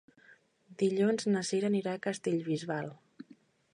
Dilluns na Cira anirà a Castellbisbal.